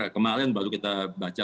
kemarin baru kita baca